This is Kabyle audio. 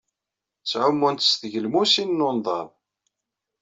Ttɛumunt s tgelmusin n unḍab.